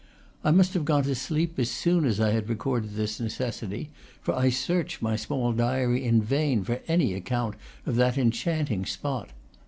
I must have gone to sleep as soon as I had recorded this necessity, for I search my small diary in vain for any account of that enchanting spot.